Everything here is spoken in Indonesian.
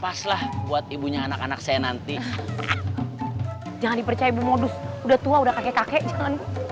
paslah buat ibunya anak anak saya nanti jangan dipercaya modus udah tua udah kakek mereka